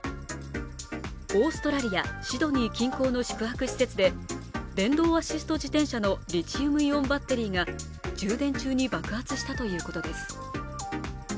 オーストラリア・シドニー近郊の宿泊施設で電動アシスト自転車のリチウムイオンバッテリーが充電中に爆発したということです。